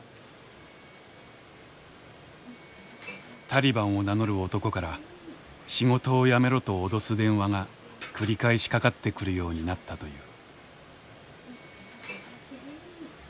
タリバンを名乗る男から「仕事を辞めろ」と脅す電話が繰り返しかかってくるようになったという。